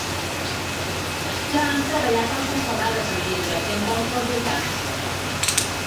Ja han treballat altres vegades amb vidre i amb bons resultats.